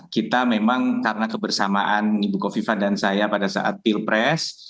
kita memang karena kebersamaan ibu kofifa dan saya pada saat pilpres